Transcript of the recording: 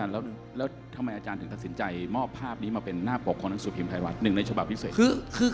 แล้วทำไมอาจารย์ถึงตัดสินใจมอบภาพนี้มาเป็นหน้าปกของหนังสือพิมพ์ไทยรัฐหนึ่งในฉบับพิเศษ